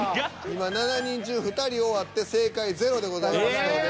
今７人中２人終わって正解ゼロでございますので。